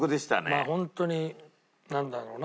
まあホントになんだろうな。